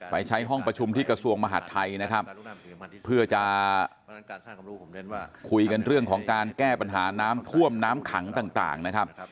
ไปใช้ห้องประชุมที่กระทรวงมหาดไทยนะครับเพื่อจะคุยกันเรื่องของการแก้ปัญหาน้ำท่วมน้ำขังต่างนะครับ